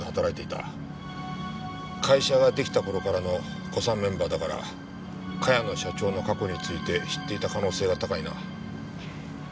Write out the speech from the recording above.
会社が出来た頃からの古参メンバーだから茅野社長の過去について知っていた可能性が高いな。